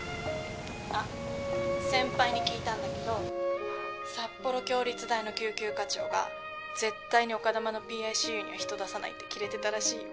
あっ先輩に聞いたんだけど札幌共立大の救急科長が絶対に丘珠のＰＩＣＵには人出さないってキレてたらしいよ。